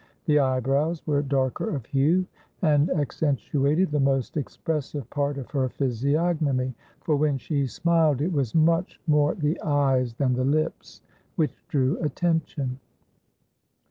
The eyebrows were darker of hue, and accentuated the most expressive part of her physiognomy, for when she smiled it was much more the eyes than the lips which drew attention.